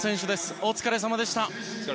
お疲れさまでした。